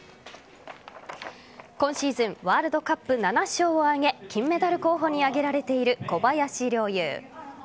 今シーズンワールドカップ７勝を挙げ金メダル候補に挙げられている小林陵侑。